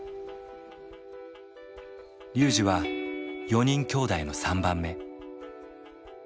龍司は４人きょうだいの３番目。